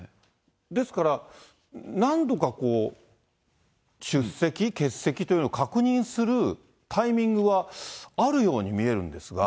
ですから、何度か出席、欠席というのを確認するタイミングはあるように見えるんですが。